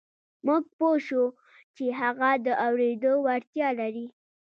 موږ پوه شوو چې هغه د اورېدو وړتیا لري